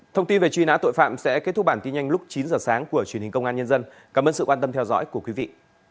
thông tin về truy nã tội phạm sẽ kết thúc bản tin nhanh lúc chín giờ sáng của truyền hình công an nhân dân cảm ơn sự quan tâm theo dõi của quý vị